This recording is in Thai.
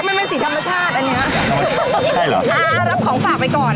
มันเป็นสีธรรมชาติอันเนี้ยไม่ใช่เหรออ่ารับของฝากไปก่อน